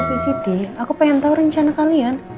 aku visiti aku pengen tahu rencana kalian